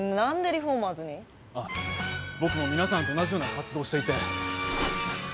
あっ僕も皆さんと同じような活動をしていて。